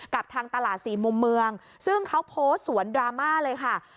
กับทางตลาดสี่มุมเมืองซึ่งเขาโพสต์สวนดราม่าเลยค่ะ